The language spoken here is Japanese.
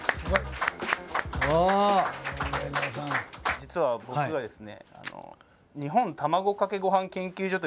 実は僕がですね。